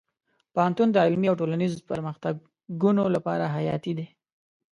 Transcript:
پوهنتون د علمي او ټولنیزو پرمختګونو لپاره حیاتي دی.